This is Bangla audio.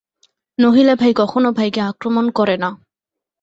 নহিলে ভাই কখনো ভাইকে আক্রমণ করে না।